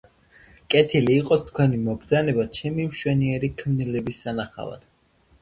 კეთილი იყოს თქვენი მობრძანება ჩემი მშვენიერი ქმნილების სანახავად.